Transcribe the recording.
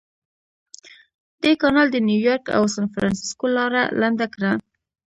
دې کانال د نیویارک او سانفرانسیسکو لاره لنډه کړه.